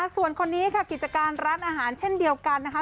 ส่วนคนนี้ค่ะกิจการร้านอาหารเช่นเดียวกันนะคะ